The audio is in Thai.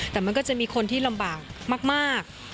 แต่มันก็จะมีคนที่ลำบากมาก